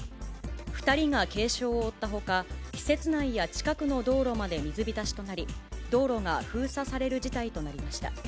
２人が軽傷を負ったほか、施設内や近くの道路まで水浸しとなり、道路が封鎖される事態となりました。